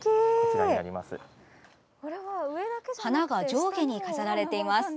花が上下に飾られています。